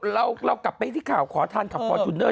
ชี้พิธีกล้องก่อน